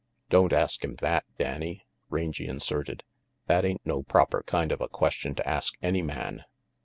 "Don't ask him that, Danny," Rangy inserted. " That ain't no proper kind of a question to ask any man.